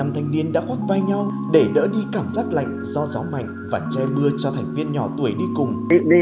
một mươi thanh niên đã khoác vai nhau để đỡ đi cảm giác lạnh do gió mạnh và che mưa cho thành viên nhỏ tuổi đi cùng